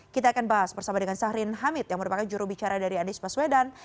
kita akan bahas bersama dengan sahrin hamid yang merupakan jurubicara dari anies baswedan